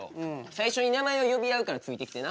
最初に名前を呼び合うからついてきてな。